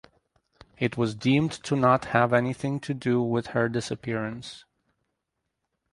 It was deemed to not have anything to do with her disappearance.